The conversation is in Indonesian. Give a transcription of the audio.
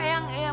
eh yang mungkin